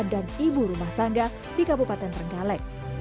dan ibu rumah tangga di kabupaten trenggale